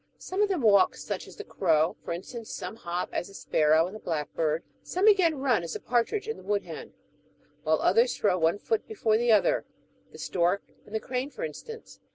Some of them walk, such as the crow, for instance ; some hop, as the sparrow and the blackbird ; some, again, run, as the partridge and the woodhen ; while others throw one foot before the other, the stork and the crane, for instance.